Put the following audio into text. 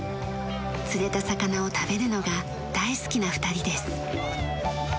釣れた魚を食べるのが大好きな２人です。